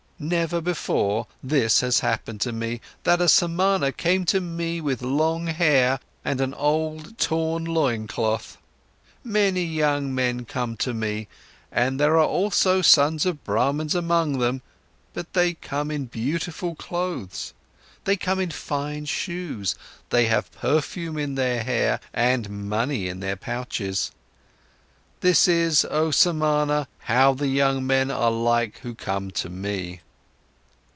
Never before this has happened to me, that a Samana came to me with long hair and an old, torn loincloth! Many young men come to me, and there are also sons of Brahmans among them, but they come in beautiful clothes, they come in fine shoes, they have perfume in their hair and money in their pouches. This is, oh Samana, how the young men are like who come to me."